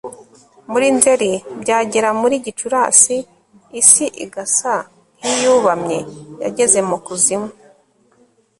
muri nzeri, byagera muri gicurasi, isi igasa nk'iyubamye, yageze mu kuzimu